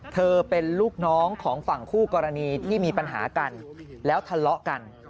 เธอเป็นลูกน้องของฝั่งคู่กรณีที่มีปัญหากันแล้วทะเลาะกัน